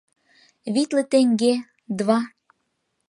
Витле теҥге, два!